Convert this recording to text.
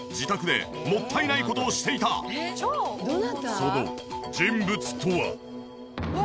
その人物とは。